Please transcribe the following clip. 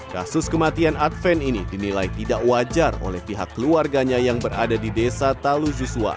kasus kematian adven ini dinilai tidak wajar oleh pihak keluarganya yang berada di desa talu zusuar